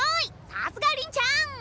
さすがりんちゃん！